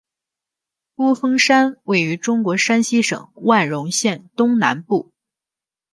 孤峰山位于中国山西省万荣县东南部。